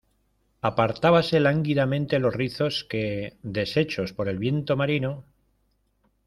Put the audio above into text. apartábase lánguidamente los rizos que, deshechos por el viento marino